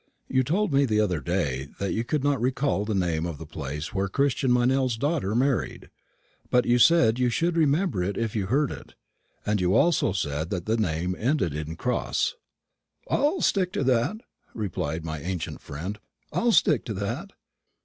"You told me the other day that you could not recall the name of the place where Christian Meynell's daughter married, but you said you should remember it if you heard it, and you also said that the name ended in Cross." "I'll stick to that," replied my ancient friend. "I'll stick to that."